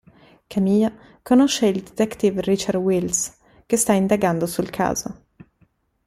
Camille conosce il Detective Richard Wills, che sta indagando sul caso.